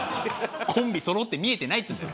コンビそろって見えてないっつうんだよ